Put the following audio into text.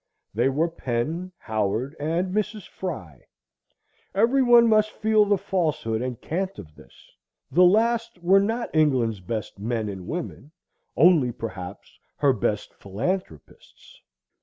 They were Penn, Howard, and Mrs. Fry. Every one must feel the falsehood and cant of this. The last were not England's best men and women; only, perhaps, her best philanthropists.